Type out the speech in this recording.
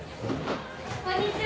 ・こんにちは。